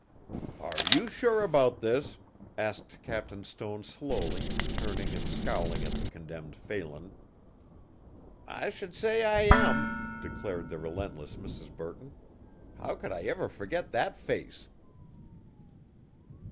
"Are you sure about this?" asked Captain Stone slowly, turning and scowling at the condemned Phelan. "I should say I am," declared the relentless Mrs. Burton. "How could I ever forget that face?"